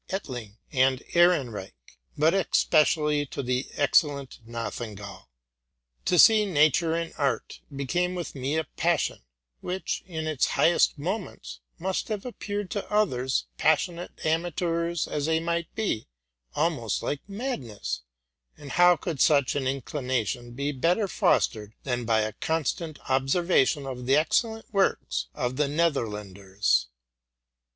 Ettling and Ehrenreich, but espe cially to the excellent Nothnagel. To see nature in art be came with me a passion, which, in its highest moments, must have appeared to others, passionate amateurs as they mignt be, almost like madness; and how could such an inclination be better fostered than by a constant observation of the ex cellent works of the Netherlanders?